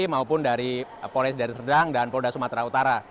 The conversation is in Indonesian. maupun dari polisi dari serdang dan polri sumatera utara